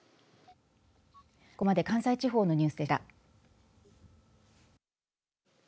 ここまで関西地方のニュースでした。